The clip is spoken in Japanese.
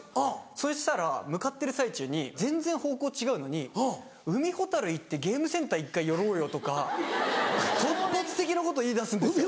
そしたら向かってる最中に全然方向違うのに「海ほたる行ってゲームセンター１回寄ろうよ」とか突発的なこと言いだすんですよ。